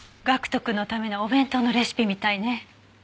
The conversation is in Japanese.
岳人くんのためのお弁当のレシピみたいね。